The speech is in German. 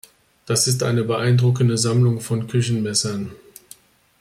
Das ist eine beeindruckende Sammlung von Küchenmessern.